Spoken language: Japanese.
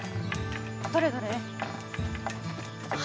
どれどれ？